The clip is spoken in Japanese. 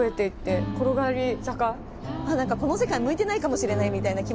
「何かこの世界向いてないかもしれないみたいな気持ちになって」。